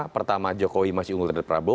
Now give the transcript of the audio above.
pertama jokowi masih unggul terhadap prabowo